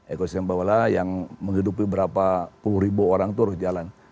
ekosistem sepak bola yang menghidupi berapa puluh ribu orang terus jalan